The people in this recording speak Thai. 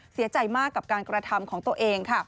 เสียใจมากกับการกระทำของตัวเองค่ะ